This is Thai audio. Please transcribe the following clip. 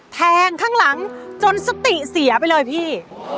แทงข้างหลังจนสติเสียไปเลยพี่